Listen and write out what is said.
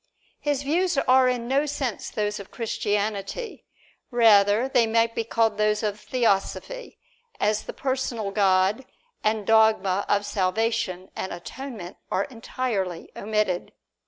His views are in no sense those of Christianity; rather, they might be called those of Theosophy, as the personal God and the dogma of salvation and atonement are entirely omitted.